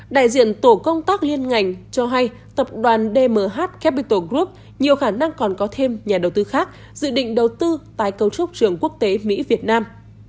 đại diện tổ công tác liên ngành cho hay tập đoàn dmh capital group nhiều khả năng còn có thêm nhà đầu tư khác dự định đầu tư tái cấu trúc trường quốc tế mỹ việt nam